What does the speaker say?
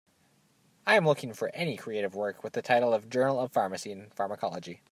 I am looking for any creative work with the title of Journal of Pharmacy and Pharmacology